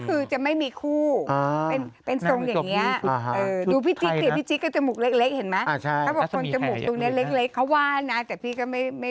คือจะไม่มีคู่เป็นทรงอย่างนี้